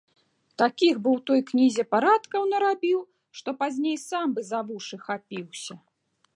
Такіх бы ў той кнізе парадкаў нарабіў, што пазней сам бы за вушы хапіўся.